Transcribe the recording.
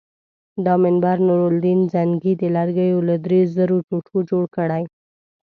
دا منبر نورالدین زنګي د لرګیو له درې زرو ټوټو جوړ کړی.